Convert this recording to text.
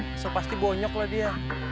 bisa pasti bonyok lah dia